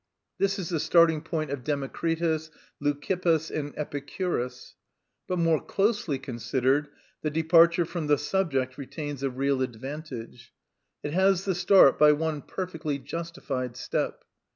This is the starting point of Democritus, Leucippus, and Epicurus. But, more closely considered, the departure from the subject retains a real advantage; it has the start by one perfectly justified step.